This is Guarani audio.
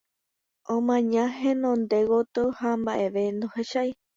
Omaña henonde gotyo, ha mba'eve ndohechái.